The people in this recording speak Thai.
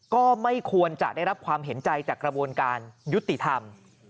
ก็ไม่ควรจะได้รับความเห็นใจจากกระบวนการยุติธรรม